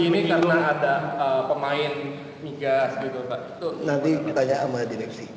nanti tanya sama direksi